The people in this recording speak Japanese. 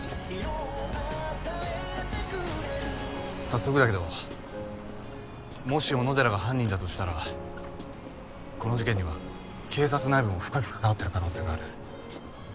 さっそくだけどもし小野寺が犯人だとしたらこの事件には警察内部も深く関わってる可能性がある。